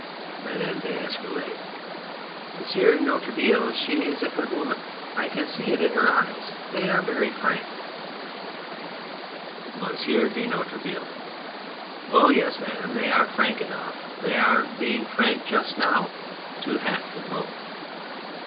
MADAME D'ESCUROLLES. M. de Noiretable, she is a good woman. I can see it in her eyes. They are very frank. 205 On Anything MONSIEUR DE NOIRETABLE. Oh ! Yes ! Madame, they are frank enough. They are being frank just now to half the room.